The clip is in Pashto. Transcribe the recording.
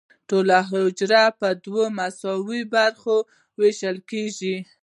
ټوله حجره په دوه مساوي برخو ویشل کیږي.